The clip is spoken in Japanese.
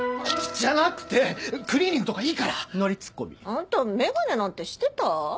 あんた眼鏡なんてしてた？